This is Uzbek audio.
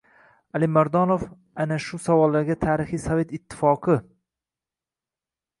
Alimardonov ana shu savollarga tarixiy Sovet ittifoqi va Sh